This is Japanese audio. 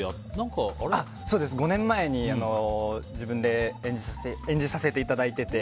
５年前に自分で演じさせていただいていて。